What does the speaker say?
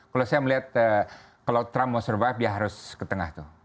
kalau saya melihat kalau trump mau survive dia harus ke tengah tuh